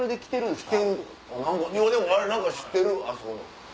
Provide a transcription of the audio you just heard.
でも何か知ってるあそこの。